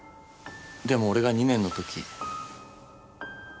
でも俺が２年の時。